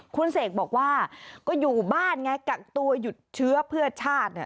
คุณเสกบอกว่าก็อยู่บ้านไงกักตัวหยุดเชื้อเพื่อชาติ